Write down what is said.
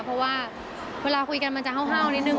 เพราะว่าเวลาคุยกันมันจะเห่านิดนึ